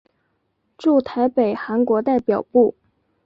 驻台北韩国代表部。